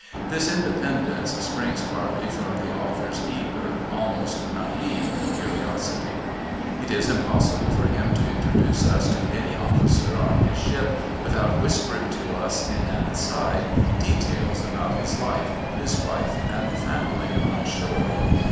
This independence springs partly from the author's eager, almost naïve curiosity. It is impossible for him to introduce us to any officer on his ship without whispering to us in an aside details about his life, his wife and family on shore.